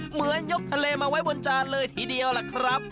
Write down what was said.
เหมือนยกทะเลมาไว้บนจานเลยทีเดียวล่ะครับ